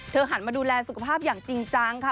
หันมาดูแลสุขภาพอย่างจริงจังค่ะ